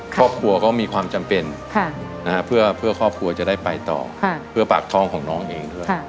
ครอบครัวก็มีความจำเป็นเพื่อครอบครัวจะได้ไปต่อเพื่อปากท้องของน้องเองด้วย